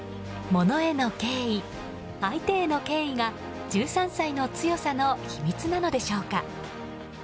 物への敬意、相手への敬意が１３歳の強さの秘密なのでしょうか。